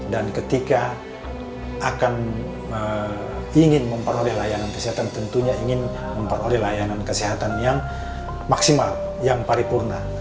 dan ketika akan ingin memperoleh layanan kesehatan tentunya ingin memperoleh layanan kesehatan yang maksimal yang paripurna